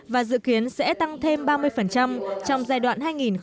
và dự kiến sẽ tăng thêm ba mươi trong giai đoạn hai nghìn hai mươi một hai nghìn hai mươi năm